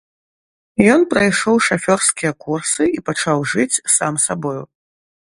Ён прайшоў шафёрскія курсы і пачаў жыць сам сабою.